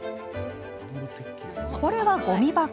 これは、ごみ箱。